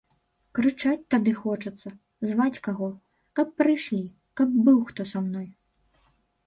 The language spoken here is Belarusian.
Крычаць тады хочацца, зваць каго, каб прыйшлі, каб быў хто са мной.